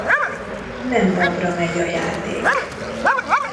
Nem babra megy a játék.